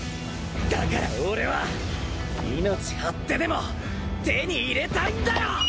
だから俺は命張ってでも手に入れたいんだよ！